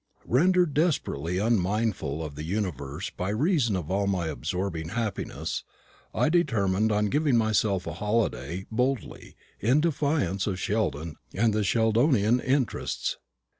Rendered desperately unmindful of the universe by reason of my all absorbing happiness, I determined on giving myself a holiday boldly, in defiance of Sheldon and the Sheldonian interests.